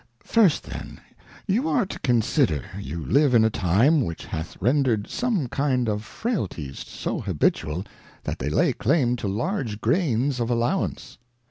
First then, you are to consider, you live in a time which hath rendred some kind of Frailties so habitual, that they lay claim to large Grains of Allowance.